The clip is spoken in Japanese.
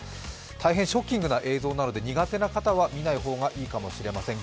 大変ショッキングな映像なので苦手な方は見ない方がいいかもしれません。